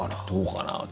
どうかな。